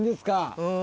うん。